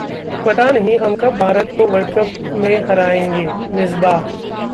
पता नहीं हम कब भारत को वर्ल्ड कप में हराएंगे: मिस्बाह